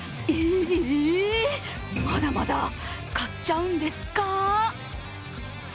ええまだまだ買っちゃうんですか？